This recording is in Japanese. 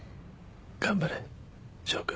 頑張れ翔君。